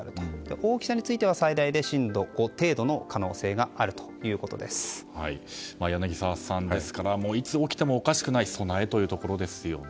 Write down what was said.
大きさについては最大で震度５程度の可能性が柳澤さん、ですからいつ起きてもおかしくない備えというところですよね。